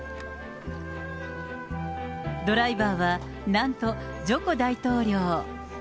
ドライバーは、なんと、ジョコ大統領。